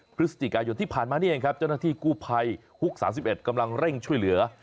พฤศจิกายนที่ผ่านมานี่เองครับเจ้าหน้าที่กู้ภัยฮุก๓๑กำลังเร่งช่วยเหลือ